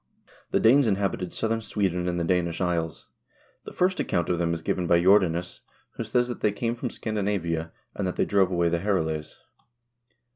The Danes inhabited southern Sweden and the Danish isles. The first account of them is given by Jordanes, who says that they came from Scandinavia, and that they drove away the Herules.